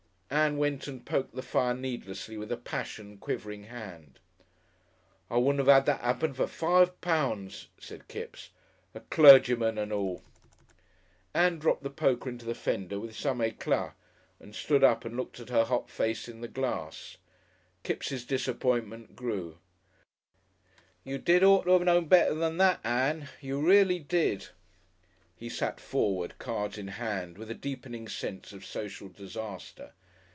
Ann went and poked the fire needlessly with a passion quivering hand. "I wouldn't 'ave 'ad that 'appen for five pounds," said Kipps. "A clergyman and all!" Ann dropped the poker into the fender with some éclat and stood up and looked at her hot face in the glass. Kipps' disappointment grew. "You did ought to 'ave known better than that, Ann! You reely did." He sat forward, cards in hand, with a deepening sense of social disaster.